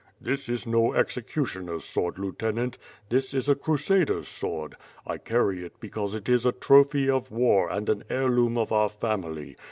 "This is no executioner's sword, Lieutenant, this is a cru sader's sword. I carry it because it is a trophy of war and an heirloom of our family.